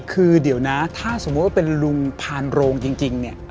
คือเดี๋ยวนะถ้าสมมุติว่าเป็นลุงพานโรงจริงเนี่ย